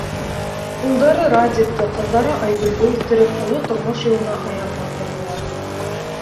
Улдары Радикты, ҡыҙҙары Айгөлдө үҫтереп, оло тормош юлына аяҡ баҫтырҙылар.